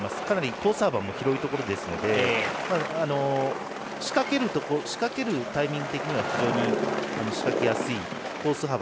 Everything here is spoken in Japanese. かなりコース幅も広いところですので仕掛けるタイミング的には非常に仕掛けやすくコース